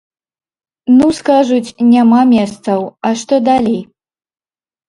Ну, скажуць, няма месцаў, а што далей!